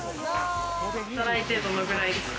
働いて、どのくらいですか？